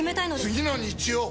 次の日曜！